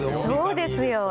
そうですよね。